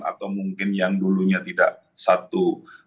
atau mungkin yang dulunya tidak satu